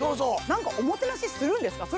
何かおもてなしするんですか？